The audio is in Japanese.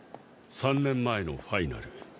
３年前のファイナル。